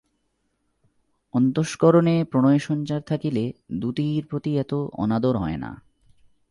অন্তঃকরণে প্রণয়সঞ্চার থাকিলে দূতীর প্রতি এত অনাদর হয় না।